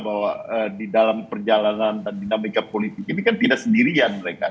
bahwa di dalam perjalanan dan dinamika politik ini kan tidak sendirian